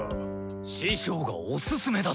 師匠がおすすめだと。